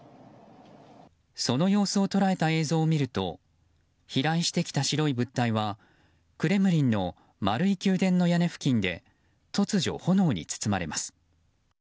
その様子を捉えた映像を見ると飛来してきた白い物体はクレムリンの丸い宮殿の屋根付近で突如、炎に包まれます。